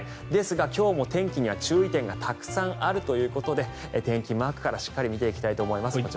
ですが、今日も天気には注意点がたくさんあるということで天気マークからしっかり見ていきたいと思います。